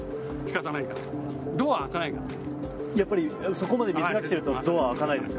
そこまで水が来てるとドア、開かないですか？